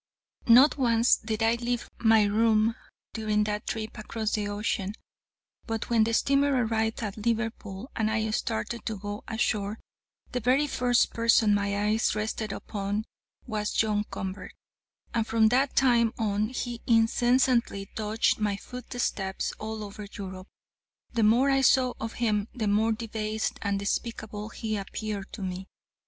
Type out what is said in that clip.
"'Not once did I leave my room during that trip across the ocean, but when the steamer arrived at Liverpool, and I started to go ashore, the very first person my eyes rested upon was John Convert; and from that time on he incessantly dogged my footsteps all over Europe. The more I saw of him, the more debased and despicable he appeared to me.